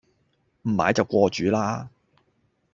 唔買就過主啦